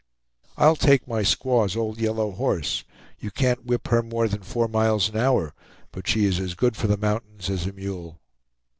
I'll take my squaw's old yellow horse; you can't whip her more than four miles an hour, but she is as good for the mountains as a mule."